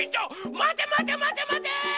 まてまてまてまて！